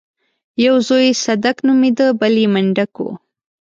يو زوی يې صدک نومېده بل يې منډک و.